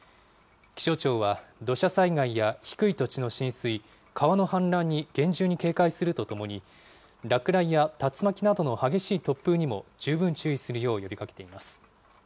気象庁は土砂災害や低い土地の浸水、川の氾濫に厳重に警戒するとともに、落雷や竜巻などの激しい突風にも十分注意するよう呼びかけています。